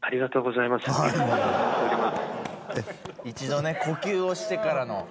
一度ね呼吸をしてからの。